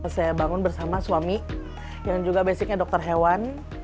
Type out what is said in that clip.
saya bangun bersama suami yang juga basicnya dokter hewan